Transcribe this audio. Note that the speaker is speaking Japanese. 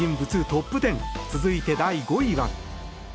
トップ１０続いて第５位は。